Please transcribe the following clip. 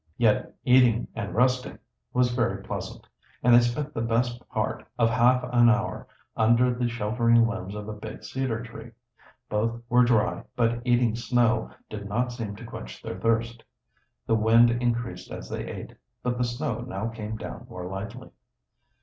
Yet eating and resting was very pleasant, and they spent the best part of half an hour under the sheltering limbs of a big cedar tree. Both were dry, but eating snow did not seem to quench their thirst. The wind increased as they ate, but the snow now came down more lightly.